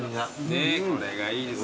ねえこれがいいですよ